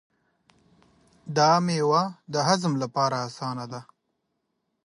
دا مېوه د هضم لپاره اسانه ده.